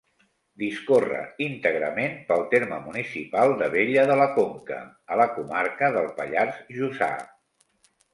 Discorre íntegrament pel terme municipal d'Abella de la Conca, a la comarca del Pallars Jussà.